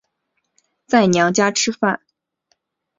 在娘家吃饭